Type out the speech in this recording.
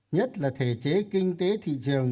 nhất là thể chế kinh tế thị trường